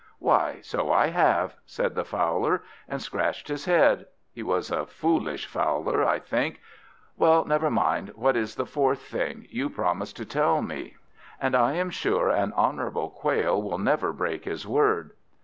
"Why, so I have," said the Fowler, and scratched his head. He was a foolish Fowler, I think. "Well, never mind; what is the fourth thing? You promised to tell me, and I am sure an honourable Quail will never break his word."